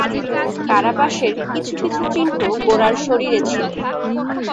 কারাবাসের কিছু কিছু চিহ্ন গোরার শরীরে ছিল।